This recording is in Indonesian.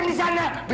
ketika di rumah